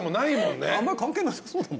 あんま関係なさそうだもんな。